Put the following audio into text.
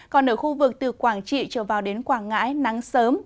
còn ở khu vực từ quảng trị trở vào đến quảng ngãi nắng sớm